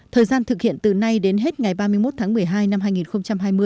thời gian thực hiện từ nay đến hết ngày ba mươi một tháng một mươi hai năm hai nghìn hai mươi